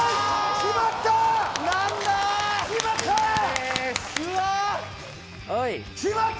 決まった。